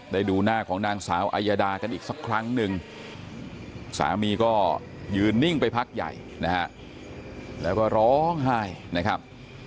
ดูหน้าของนางสาวอายาดากันอีกสักครั้งหนึ่งสามีก็ยืนนิ่งไปพักใหญ่นะฮะแล้วก็ร้องไห้นะครับ